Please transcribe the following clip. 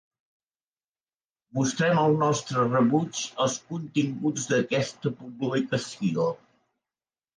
Mostrem el nostre rebuig als continguts d'aquesta publicació.